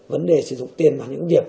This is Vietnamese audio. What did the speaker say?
vấn đề sử dụng tiền vào những việc